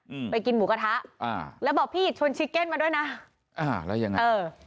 อืมไปกินหมูกระทะอ่าแล้วบอกพี่ชวนชิเก้นมาด้วยนะอ่าแล้วยังไงเออ